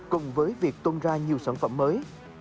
cùng với việc tung ra nhiều sản phẩm mới